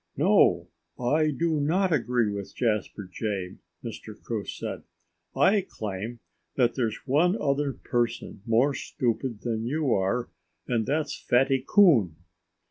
"No, I do not agree with Jasper Jay," Mr. Crow said. "I claim that there's one other person more stupid than you are—and that's Fatty Coon."